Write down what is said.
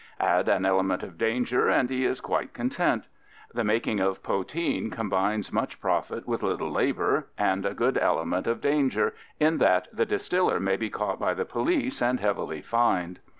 Add an element of danger, and he is quite content. The making of poteen combines much profit with little labour and a good element of danger, in that the distiller may be caught by the police and heavily fined.